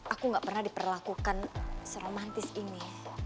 aku gak pernah diperlakukan seromantis ini